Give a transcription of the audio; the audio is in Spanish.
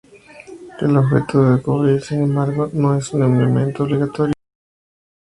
El objetivo de cubrir sin embargo no es un elemento obligatorio presente.